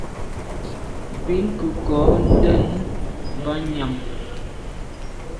Bin ke nko ndèn banyàm.